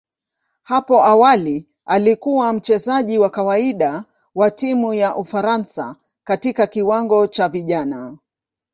Hapo awali alikuwa mchezaji wa kawaida wa timu ya Ufaransa katika kiwango cha vijana.